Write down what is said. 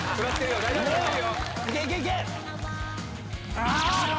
あ！